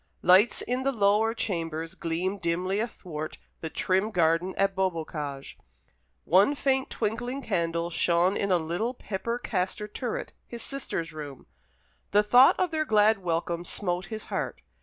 Lights in the lower chambers gleamed dimly athwart the trim garden at Beaubocage. One faint twinkling candle shone in a little pepper castor turret, his sister's room. The thought of their glad welcome smote his heart.